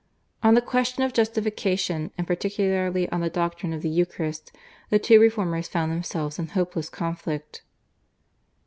On the question of Justification, and particularly on the doctrine of the Eucharist, the two reformers found themselves in hopeless conflict.